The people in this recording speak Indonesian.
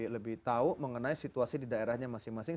lebih tahu mengenai situasi di daerahnya masing masing